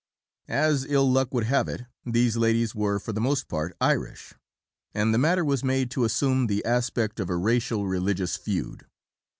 As ill luck would have it, these ladies were for the most part Irish, and the matter was made to assume the aspect of a racial religious feud.